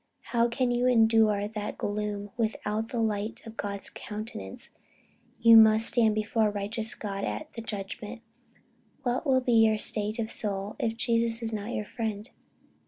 How can you endure that gloom without the light of God's countenance? you must stand before a righteous God at the judgment day. What will be the state of your soul if Jesus is not your friend?